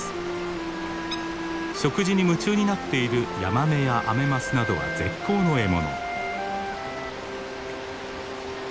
食事に夢中になっているヤマメやアメマスなどは絶好の獲物。